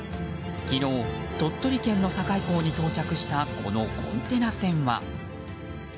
昨日、鳥取県の境港に到着したこのコンテナ船は。